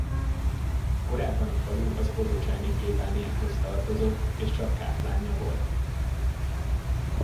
Korábban a falu az otocsáni plébániához tartozott és csak káplánja volt.